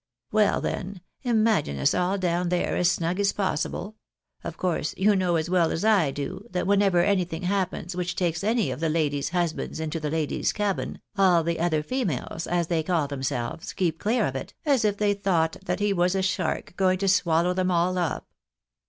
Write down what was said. Well then, imagine us all down there as snug as possible — of course, you know as well as I do, that whenever any thing happens which takes any of the ladies' husbands into the ladies' cabin, all the other females, as they call themselves, keep clear of it, as if they thought that he was a shark going to swallow them all up.